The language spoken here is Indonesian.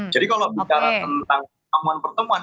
jadi kalau bicara tentang pertemuan pertemuan